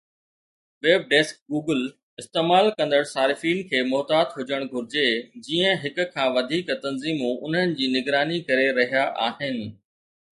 WebDeskGoogle استعمال ڪندڙ صارفين کي محتاط هجڻ گهرجي جيئن هڪ کان وڌيڪ تنظيمون انهن جي نگراني ڪري رهيا آهن